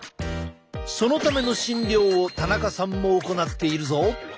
そのための診療を田中さんも行っているぞ。